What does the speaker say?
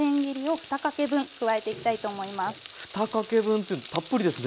２かけ分ってたっぷりですね。